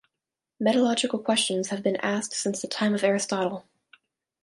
Metalogical questions have been asked since the time of Aristotle.